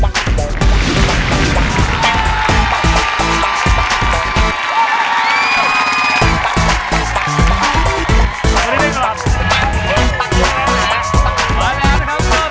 แนวจารย์มีคาร์โบย